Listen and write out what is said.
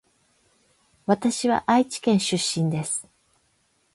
わたしは愛知県出身です